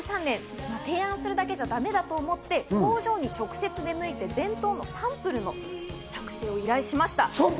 ２０１３年、提案するだけじゃだめだと思って、工場に直接出向いて弁当のサンプルの作成を依頼しました。